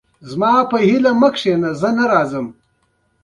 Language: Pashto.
د ټولنیزو خدمتونو لپاره ځوانان فرصتونه لري.